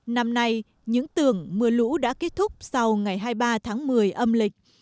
năm nay những tường mưa lũ đã kết thúc sau ngày hai mươi ba tháng một mươi âm lịch